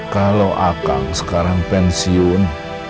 kalau akang sekarang pensiun